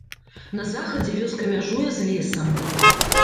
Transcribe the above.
На захадзе вёска мяжуе з лесам.